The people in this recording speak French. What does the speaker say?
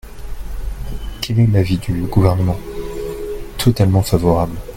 Quel est l’avis du Gouvernement ? Totalement favorable.